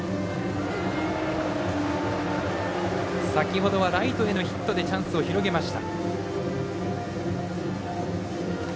先ほどはライトへのヒットでチャンスを広げました。